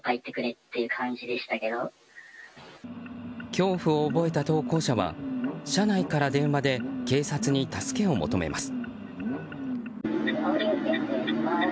恐怖を覚えた投稿者は車内から電話で警察に助けを求めます。